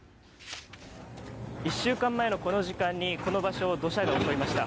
１週間前のこの時間にこの場所を土砂が襲いました。